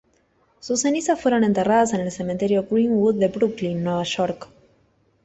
Sus cenizas fueron enterradas en el cementerio Green-Wood de Brooklyn, Nueva York.